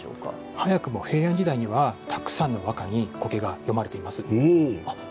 早くも平安時代にはたくさんの和歌に苔が詠まれています。